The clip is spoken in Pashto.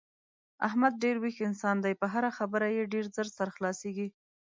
احمد ډېر ویښ انسان دی په هره خبره یې ډېر زر سر خلاصېږي.